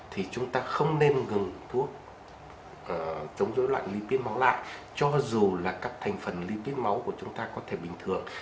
thì chúng ta không nên ngừng thuốc chống rối loạn lipid máu lại cho dù là các thành phần lipid máu của chúng ta có thể bình thường